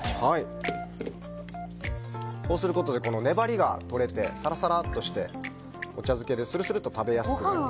こうすることで粘りが取れてサラサラっとして、お茶漬けでスルスルっと食べやすくなります。